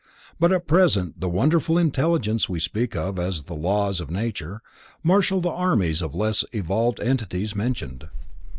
But at present the wonderful intelligences we speak of as the laws of nature, marshall the armies of less evolved entities mentioned.